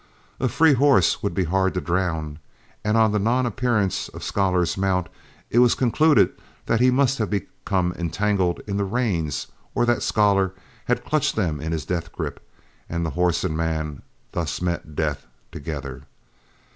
A free horse would be hard to drown, and on the nonappearance of Scholar's mount it was concluded that he must have become entangled in the reins or that Scholar had clutched them in his death grip, and horse and man thus met death together.